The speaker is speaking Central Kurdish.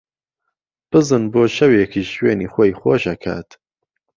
بزن بۆ شەوێکیش شوێنی خۆی خۆش ئەکات